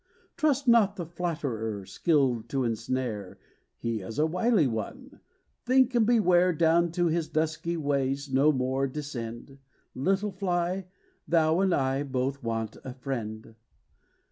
Trust not the flatterer Skilled to ensnare: He is a wily one; Think, and beware. Down to his dusky ways No more descend! Little fly, thou and I Both want a friend.